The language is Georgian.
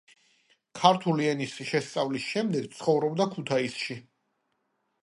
ქართული ენის შესწავლის შემდეგ ცხოვრობდა ქუთაისში.